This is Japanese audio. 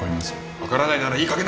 分からないならいいかげん